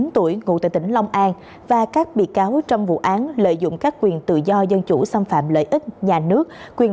một mươi tuổi ngụ tại tỉnh long an và các bị cáo trong vụ án lợi dụng các quyền tự do dân chủ xâm phạm lợi ích nhà nước quyền